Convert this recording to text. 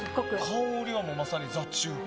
香りはまさに、ザ中華。